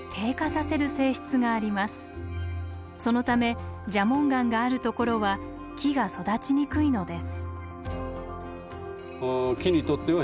そのため蛇紋岩があるところは木が育ちにくいのです。